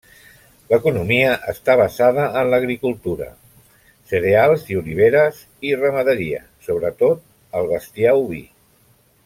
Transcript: L’economia està basada en l'agricultura: cereals i oliveres; i ramaderia, sobretot el bestiar oví.